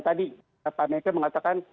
tadi pak menteri mengatakan